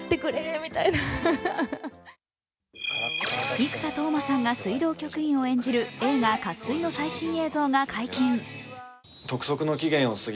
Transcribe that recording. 生田斗真さんが水道局員を演じる映画「渇水」の最新映像が解禁。